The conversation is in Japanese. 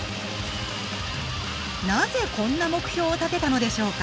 なぜこんな目標を立てたのでしょうか？